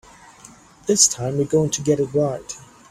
This time we're going to get it right.